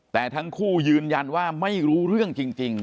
แต่ทั้งคู่ยืนยันว่าไม่รู้เรื่องจริง